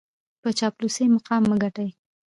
په چاپلوسۍ مقام مه ګټئ.